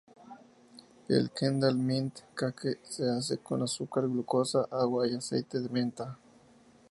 El Kendal Mint Cake se hace con azúcar, glucosa, agua y aceite de menta.